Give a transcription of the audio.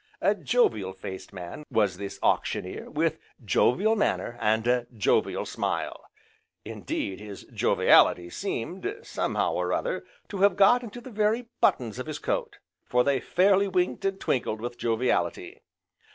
A jovial faced man, was this Auctioneer, with jovial manner, and a jovial smile. Indeed, his joviality seemed, somehow or other, to have got into the very buttons of his coat, for they fairly winked, and twinkled with joviality.